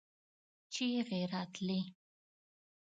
چيغې راتلې.